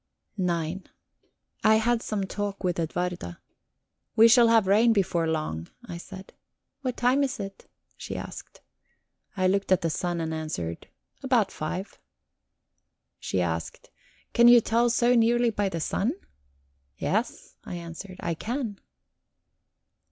IX I had some talk with Edwarda. "We shall have rain before long," I said. "What time is it?" she asked. I looked at the sun and answered: "About five." She asked: "Can you tell so nearly by the sun?" "Yes," I answered; "I can."